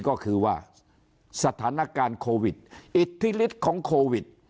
ก็คือว่าสถานการณ์โควิดอิทธิฤทธิ์ของโควิด